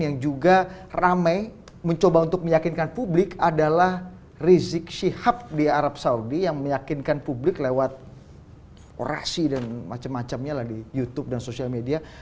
yang juga ramai mencoba untuk meyakinkan publik adalah rizik shihab di arab saudi yang meyakinkan publik lewat orasi dan macam macamnya lah di youtube dan social media